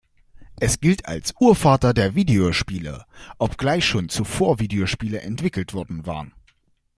Es gilt als Urvater der Videospiele, obgleich schon zuvor Videospiele entwickelt worden waren.